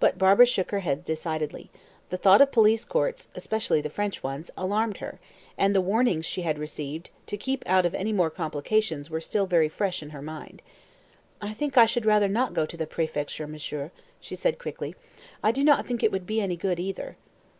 But Barbara shook her head decidedly. The thought of police courts, especially French ones, alarmed her, and the warnings she had received to keep out of any more "complications" were still very fresh in her mind. "I think I should rather not go to the préfecture, monsieur," she said quickly. "I do not think it would be any good either."